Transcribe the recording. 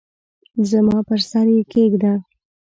زما پر سر یې کښېږده !